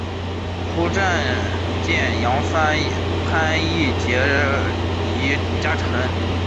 胡璋剑杨帆潘羿捷移佳辰